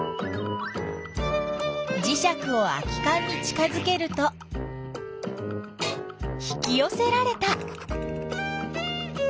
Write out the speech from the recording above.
じしゃくを空きかんに近づけると引きよせられた。